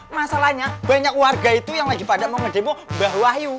masalahnya banyak warga itu yang lagi pada mau ngedepok mbah wahyu